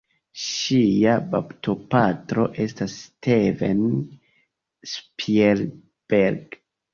Ŝia baptopatro estas Steven Spielberg.